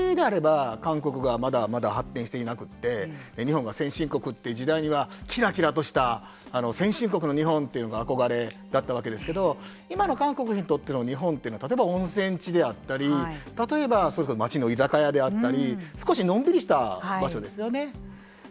これもおもしろくて例えば昔であれば韓国がまだまだ発展していなくて日本が先進国という時代にはきらきらとした先進国の日本というのが憧れだったわけですけど今の韓国にとっての日本は例えば温泉地であったり例えば街の居酒屋であったり少しのんびりした場所ですよね。